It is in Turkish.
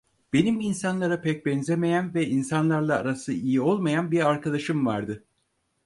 Benim insanlara pek benzemeyen ve insanlarla arası iyi olmayan bir arkadaşım vardı…